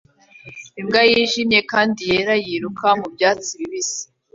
Imbwa yijimye kandi yera yiruka mu byatsi bibisi